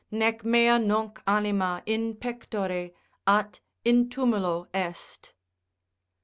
Nec mea nunc anima in pectore, at in tumulo est.